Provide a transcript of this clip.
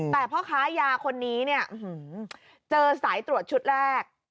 แต่พ่อค้ายาคนนี้เนี่ยเจอสายตรวจชุดแรก